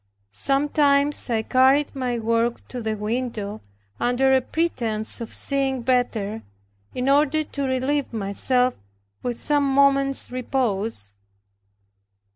Sometimes I carried my work to the window, under a pretense of seeing better, in order to relieve myself with some moment's repose.